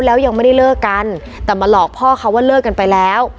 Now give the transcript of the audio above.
แล้วยังไม่ได้เลิกกันแต่มาหลอกพ่อเขาว่าเลิกกันไปแล้ว